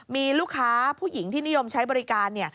มีลูกค้าผู้หญิงที่นิยมใช้บริการ